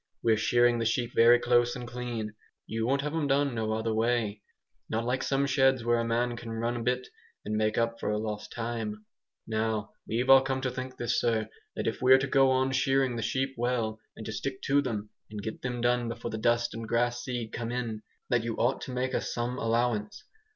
We're shearing the sheep very close and clean. You won't have 'em done no otherways. Not like some sheds where a man can 'run' a bit and make up for lost time. Now we've all come to think this, sir, that if we're to go on shearing the sheep well, and to stick to them, and get them done before the dust and grass seed come in, that you ought to make us some allowance.